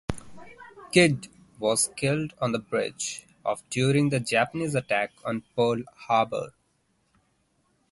Kidd was killed on the bridge of during the Japanese attack on Pearl Harbor.